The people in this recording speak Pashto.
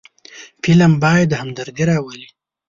فلم باید همدردي راولي